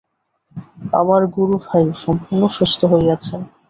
আমার গুরুভাই সম্পূর্ণ সুস্থ হইয়াছেন।